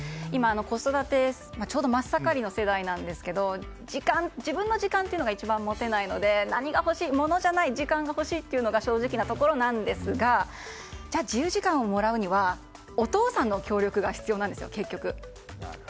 子育て真っ盛りの世代なんですが自分の時間というのが一番持てないので、何が欲しい物じゃない、時間が欲しいというのが正直なところですがじゃあ自由時間をもらうにはお父さんの協力が結局必要なんですよ。